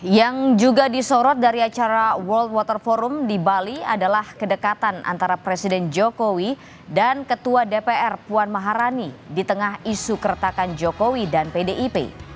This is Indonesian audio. yang juga disorot dari acara world water forum di bali adalah kedekatan antara presiden jokowi dan ketua dpr puan maharani di tengah isu keretakan jokowi dan pdip